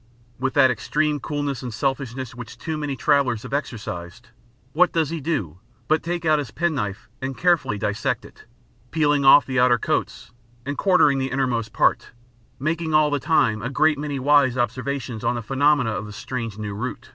With that extreme coolness and selfishness which too many travellers have exercised, what does he do but take out his penknife and carefully dissect it, peeling off the outer coats, and quartering the innermost part, making all the time a great many wise observations on the phenomena of the strange new root.